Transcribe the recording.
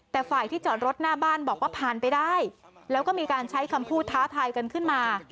แต่ฝ่ายที่จอดรถหน้าบ้านบอกว่าผ่านไปได้แล้วก็มีการใช้คำพูดท้าทายกันขึ้นมา